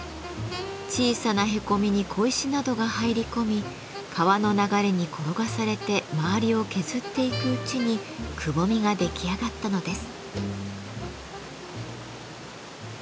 小さなへこみに小石などが入り込み川の流れに転がされて周りを削っていくうちにくぼみが出来上がったのです。